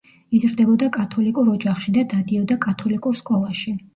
იზრდებოდა კათოლიკურ ოჯახში და დადიოდა კათოლიკურ სკოლაში.